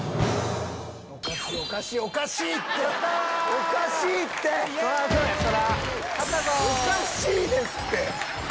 おかしいですって！